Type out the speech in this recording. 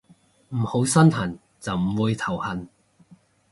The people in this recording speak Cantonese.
唔好身痕就唔會頭痕